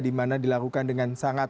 dimana dilakukan dengan sangat berhati hati